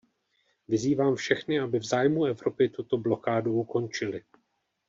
Vyzývám všechny, aby v zájmu Evropy tuto blokádu ukončili.